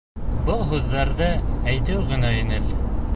Был һүҙҙәрҙе әйтеү генә еңел.